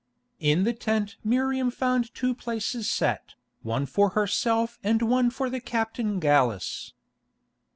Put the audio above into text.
In the tent Miriam found two places set, one for herself and one for the captain Gallus.